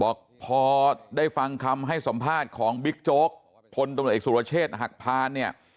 บอกพอได้ฟังคำให้สัมภาษณ์ของบิ๊กโจ๊กพลตำรวจเอกสุรเชษฐ์หักพานเนี่ย